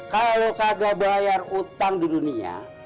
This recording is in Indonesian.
kalau kagak bayar utang di dunia